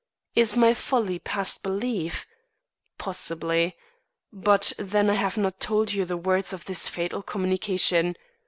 Is my folly past belief? Possibly. But then I have not told you the words of this fatal communication.